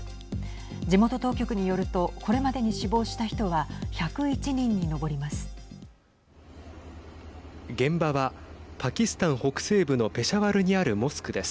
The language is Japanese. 地元当局によるとこれまでに死亡した人は１０１人に上ります。